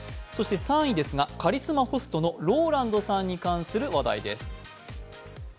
そして３位ですが、カリスマホストのＲＯＬＡＮＤさんに関する話です。